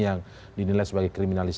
yang dinilai sebagai pelapor amin rais